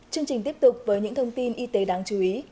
chương trình tiếp tục với những thông tin y tế đáng chú ý